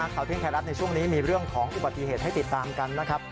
ข่าวเที่ยงไทยรัฐในช่วงนี้มีเรื่องของอุบัติเหตุให้ติดตามกันนะครับ